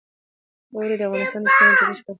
اوړي د افغانستان د اجتماعي جوړښت برخه ده.